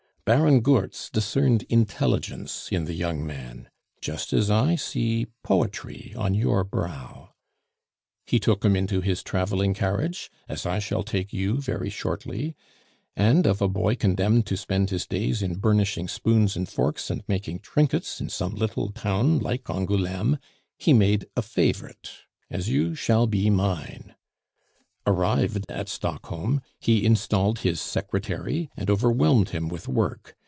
... Baron Goertz discerned intelligence in the young man (just as I see poetry on your brow); he took him into his traveling carriage, as I shall take you very shortly; and of a boy condemned to spend his days in burnishing spoons and forks and making trinkets in some little town like Angouleme, he made a favorite, as you shall be mine. "Arrived at Stockholm, he installed his secretary and overwhelmed him with work.